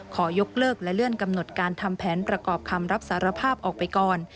ขอยกเลิกและเลื่อนกำหนดการทำแผนประกอบคำรับสารภาพออกไปก่อน